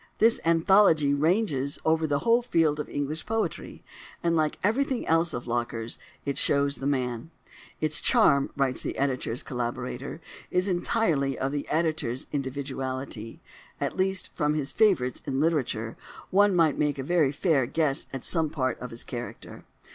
This anthology ranges over the whole field of English poetry, and, like everything else of Locker's, it shows the man. "Its charm," writes the editor's collaborator, "is entirely of the editor's individuality"—at least, from his favourites in literature, one may make a very fair guess at some part of his character.